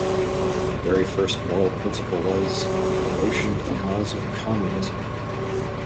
The very first moral principle was "Devotion to the cause of communism".